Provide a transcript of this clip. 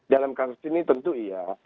dalam kasus ini tentu iya